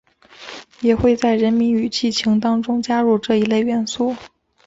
也会在人名与剧情当中加入这一类元素。